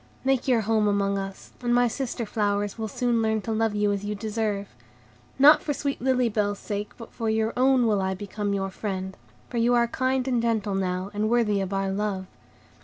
Make your home among us, and my sister flowers will soon learn to love you as you deserve. Not for sweet Lily Bell's sake, but for your own, will I become your friend; for you are kind and gentle now, and worthy of our love.